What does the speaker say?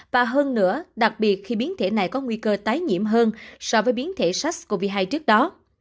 và hơn nữa đặc biệt khi biến thể này có nguy cơ tái nhiễm hơn so với biến thể sars cov hai trước đó